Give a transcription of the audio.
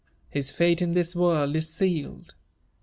<« his faie in this w^orld is sealed."